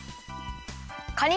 カニ